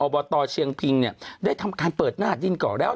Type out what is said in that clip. บตเชียงพิงเนี่ยได้ทำการเปิดหน้าดินก่อนแล้ว